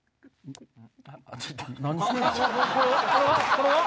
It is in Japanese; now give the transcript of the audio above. これは？